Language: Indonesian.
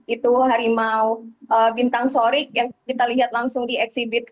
itu harimau bintang sorik yang kita lihat langsung di exhibit